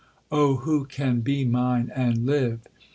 —Oh who can be mine and live!